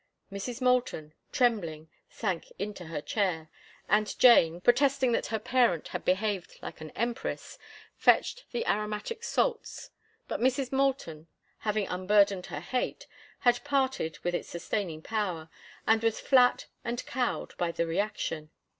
Mrs. Moulton, trembling, sank into a chair, and Jane, protesting that her parent had behaved like an empress, fetched the aromatic salts. But Mrs. Moulton, having unburdened her hate, had parted with its sustaining power, and was flat and cowed in the reaction.